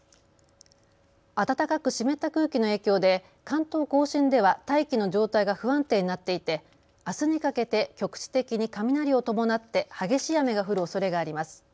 暖かく湿った空気の影響で関東甲信では大気の状態が不安定になっていてあすにかけて局地的に雷を伴って激しい雨が降るおそれがあります。